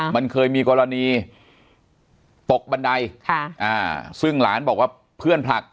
มันเคยมีกรณีตกบันไดซึ่งหลานบอกว่าเพื่อนผลัก